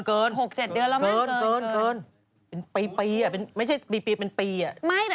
เป็นปีอ่ะไม่ใช่ปีเป็นปีอ่ะไม่แต่เท่าที่ฟังตั้งแต่ต้นปีแล้วคุณแม่